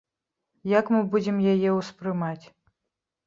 Як мы будзем яе ўспрымаць?